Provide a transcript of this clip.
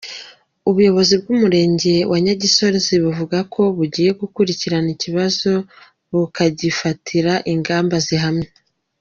Ubuyobozi bw’umurenge wa Nyagisozi buvuga ko bugiye gukurikirana iki kibazo bukagifatira ingamba zihamye.